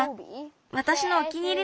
わたしのお気に入りなの。